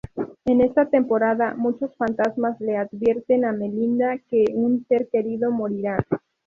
En esta temporada muchos fantasmas le advierten a Melinda que un ser querido morirá.